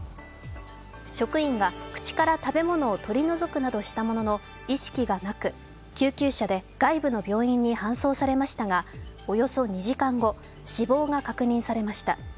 職員が、口から食べ物を取り除くなどしたものの、意識がなく救急車で外部の病院に搬送されましたがおよそ２時間後、死亡が確認されました。